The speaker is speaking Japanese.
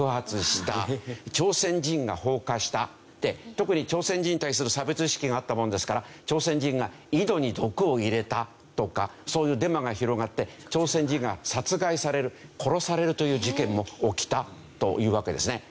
特に朝鮮人に対する差別意識があったものですから「朝鮮人が井戸に毒を入れた」とかそういうデマが広がって朝鮮人が殺害される殺されるという事件も起きたというわけですね。